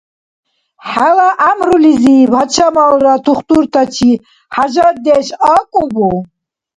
— Хӏела гӏямрулизиб гьачамалра тухтуртачи хӏяжатдеш акӏубу?